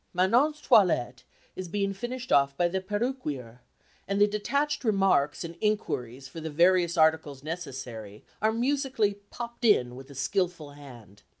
Manon's toilette is being finished off by the perruquier, and the detached remarks and inquiries for the various articles necessary are musically "popped in" with a skilful hand.